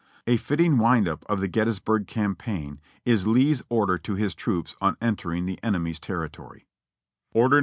A fitting wind up of the Gettysburg Campaign is Lee's order to his troops on entering the enemy's territory : "Order No.